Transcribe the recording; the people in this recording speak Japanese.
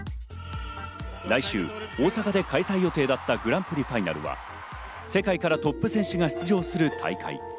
来週、大阪で開催予定だったグランプリファイナルは世界からトップ選手が出場する大会。